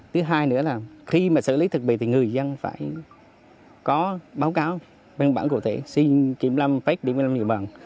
thứ hai nữa là khi mà xử lý thực bị thì người dân phải có báo cáo bên bản cụ thể xin kiểm lâm phát điểm kiểm lâm người bằng